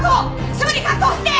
すぐに確保して！！